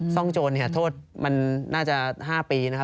ซ่องโจรโทษมันน่าจะ๕ปีนะครับ